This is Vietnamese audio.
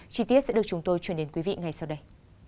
chi tiết sẽ được chúng tôi chuyển đến quý vị ngay sau đây